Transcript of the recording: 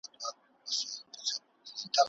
اوس له محتسب که له مطربه اورېدل ښه دي